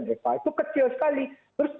eva itu kecil sekali terus